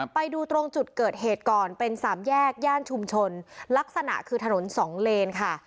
ไปดูตรงจุดเกิดเหตุก่อนเป็นสามแยกย่านชุมชนลักษณะคือถนนสองเลนค่ะ